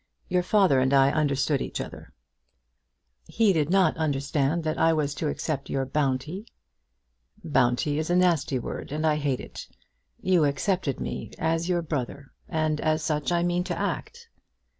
Your father and I understood each other." "He did not understand that I was to accept your bounty." "Bounty is a nasty word, and I hate it. You accepted me, as your brother, and as such I mean to act."